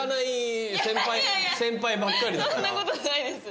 そんなことないです。